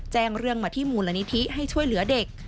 แจ้งเรื่องมาที่มูลนิธิให้ช่วยเหลือเด็ก